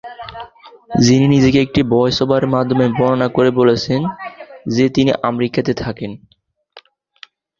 যিনি নিজেকে একটি ভয়েস ওভারের মাধ্যমে বর্ণনা করে বলেছেন যে তিনি আমেরিকাতে থাকেন।